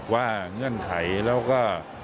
เงื่อนไขแล้วก็